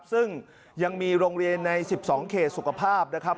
ซึ่งยังมีโรงเรียนใน๑๒เขตสุขภาพนะครับ